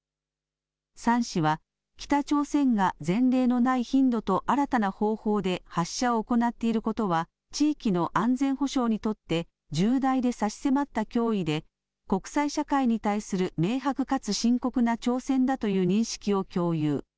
３氏は北朝鮮が前例のない頻度と新たな方法で発射を行っていることは地域の安全保障にとって重大で差し迫った脅威で国際社会に対する明白かつ深刻な挑戦だという認識を共有。